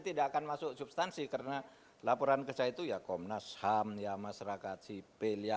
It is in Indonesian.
tidak akan masuk substansi karena laporan ke saya itu ya komnas ham ya masyarakat sipil ya